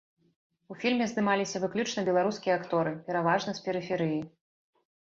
У фільме здымаліся выключна беларускія акторы, пераважна з перыферыі.